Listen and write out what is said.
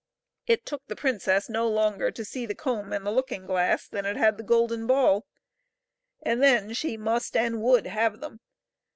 It took the princess no longer to see the comb and the looking glass than it had the golden ball, and then she must and would have them.